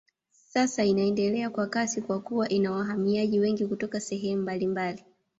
Sasa inaendelea kwa kasi kwa kuwa ina wahamiaji wengi kutoka sehemu mbalimbali.